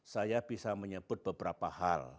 saya bisa menyebut beberapa hal